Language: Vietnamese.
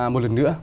một lần nữa